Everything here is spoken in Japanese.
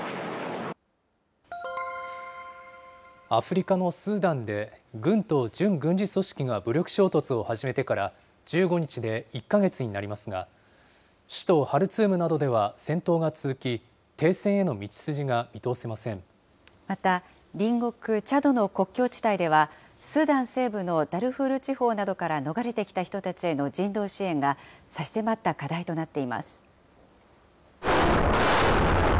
アフリカのスーダンで、軍と準軍事組織が武力衝突を始めてから１５日で１か月になりますが、首都ハルツームなどでは戦闘が続き、また、隣国チャドの国境地帯では、スーダン西部のダルフール地方などから逃れてきた人たちへの人道支援が差し迫った課題となっています。